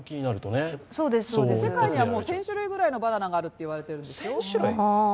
世界で１０００種類ぐらいのバナナがあるといわれているんです。